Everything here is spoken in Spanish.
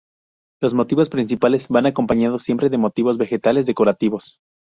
Los motivos principales van acompañados siempre de motivos vegetales decorativos.